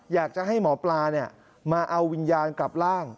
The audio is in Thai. อยากจะให้หมอปลามาเอาวิญญาณกลับร่าง